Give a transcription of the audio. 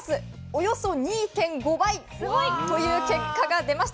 およそ２．５倍という結果が出ました。